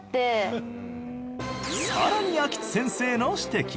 更に秋津先生の指摘。